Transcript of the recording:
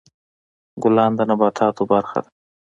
ګلان د نباتاتو برخه ده.